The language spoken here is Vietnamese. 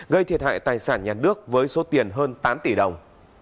gây thiệt hại tài sản nhà nước với số tiền hơn tám tỷ đồng